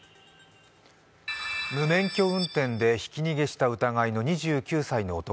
無免許運転でひき逃げした疑いの２９歳の男。